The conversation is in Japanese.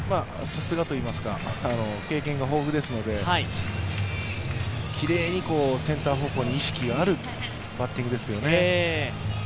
さすがといいますか、経験が豊富ですので、きれいにセンター方向に意識があるバッティングですよね。